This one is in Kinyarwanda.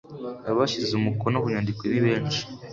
abashyize umukono kunyandiko nibeshi.